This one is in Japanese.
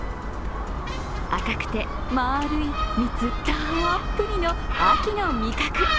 赤くて丸い、蜜たっぷりの秋の味覚。